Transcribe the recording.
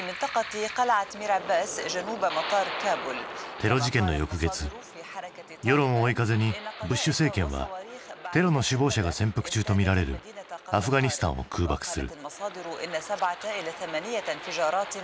テロ事件の翌月世論を追い風にブッシュ政権はテロの首謀者が潜伏中とみられるアフガニスタンを空爆する。